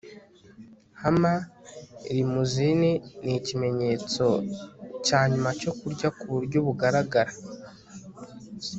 hummer limousine nikimenyetso cyanyuma cyo kurya ku buryo bugaragara